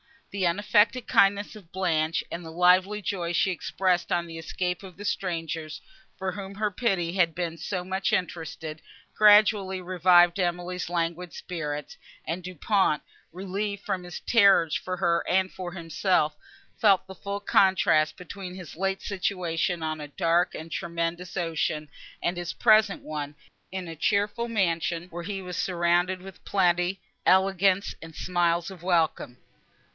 The unaffected kindness of Blanche and the lively joy she expressed on the escape of the strangers, for whom her pity had been so much interested, gradually revived Emily's languid spirits; and Du Pont, relieved from his terrors for her and for himself, felt the full contrast, between his late situation on a dark and tremendous ocean, and his present one, in a cheerful mansion, where he was surrounded with plenty, elegance and smiles of welcome.